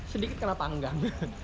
sedikit kena tanggang